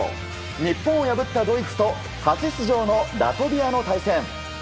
日本を破ったドイツと初出場のラトビアの対戦。